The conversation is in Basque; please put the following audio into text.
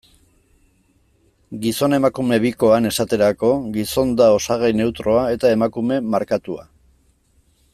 Gizon-emakume bikoan, esaterako, gizon da osagai neutroa, eta emakume markatua.